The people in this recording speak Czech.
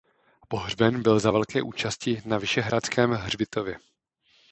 Pohřben byl za velké účasti na Vyšehradském hřbitově.